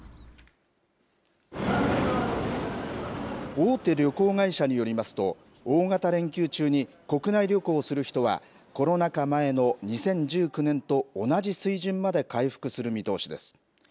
大手旅行会社によりますと大型連休中に国内旅行をする人はコロナ禍前の２０１９年と同じ水準まで回復する見通しです。